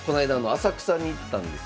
浅草に行ったんですよ。